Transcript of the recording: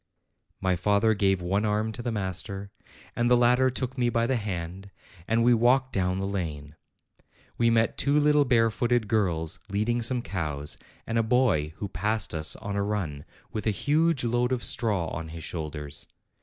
My father gave one arm to the master, and the latter took me by the hand, and we walked down the lane. We met two little barefooted girls leading some cows, and a boy who passed us on a run, with a huge load of straw on his shoulders.